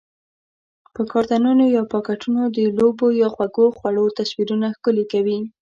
په کارتنونو یا پاکټونو د لوبو یا خوږو خوړو تصویرونه ښکلي کوي؟